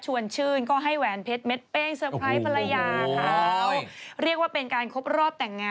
หวัยที่แหวนดรงเพชรเม็ดเป้ง